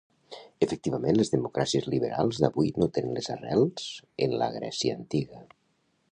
Efectivament, les democràcies liberals d’avui no tenen les arrels en la Grècia antiga.